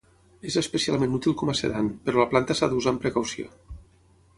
És especialment útil com a sedant, però la planta s'ha d'usar amb precaució.